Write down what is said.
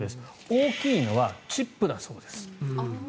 大きいのはチップだそうです。